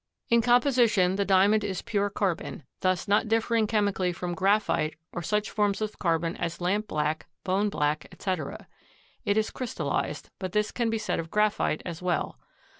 In composition the Diamond is pure carbon, thus not differing chemically from graphite or such forms of carbon as lamp black, bone black, etc. It is crystallized, but this can be said of graphite as well.